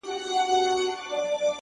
د ښاغلي انجینر عبدالباقي بینا صاحب